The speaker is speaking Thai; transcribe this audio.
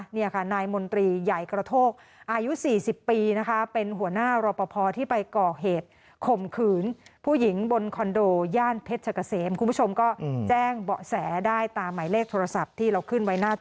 นี่นะคะนายมนตรีใหญ่กระโทกอายุ๔๐ปีนะคะเป็นหัวหน้ารอปภพที่ไปเกาะเหตุ